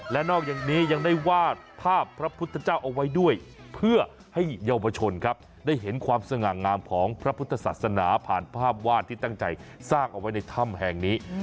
และนอกจากนี้ยังได้วาดภาพพระพุทธเจ้าเอาไว้ด้วยเพื่อให้เยาวชนครับได้เห็นความสง่างามของพระพุทธศาสนาผ่านภาพวาดที่ตั้งใจสร้างเอาไว้ในถ้ำแห่งนี้